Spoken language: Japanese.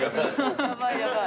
やばいやばい。